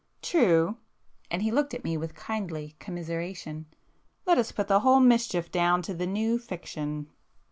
"True!" and he looked at me with kindly commiseration—"Let us put the whole mischief down to the 'new' fiction!"